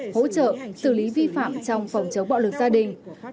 hỗ trợ xử lý vi phạm trong phòng chống bạo lực gia đình